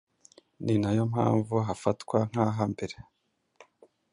Ni nayo mpamvu hafatwa nk’aha mbere.